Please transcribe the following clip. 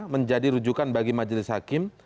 menjadi rujukan bagi majelis hakim